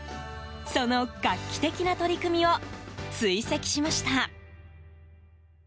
その画期的な取り組みを追跡しました。